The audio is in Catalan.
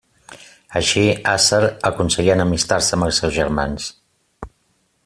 Així, Aser aconseguí enemistar-se amb els seus germans.